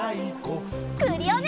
クリオネ！